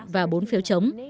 và bốn phiếu chống